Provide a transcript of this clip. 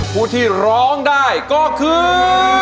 ผู้ที่ร้องได้ก็คือ